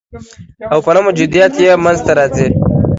او په نه موجودیت کي یې منځ ته راځي